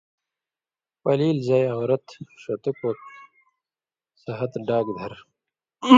پلیلیۡ زائ (عورت) ݜتُوک ووک سہتہۡ ڈاگ دھر